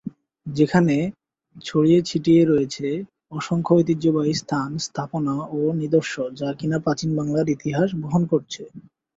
যেখানে ছড়িয়ে-ছিটিয়ে রয়েছে অসংখ্য ঐতিহ্যবাহী স্থান, স্থাপনা ও নিদর্শ, যা কিনা প্রাচীন বাংলার ইতিহাস বহন করছে।